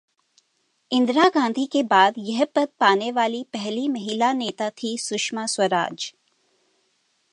इंदिरा गांधी के बाद यह पद पाने वाली पहली महिला नेता थीं सुषमा स्वराज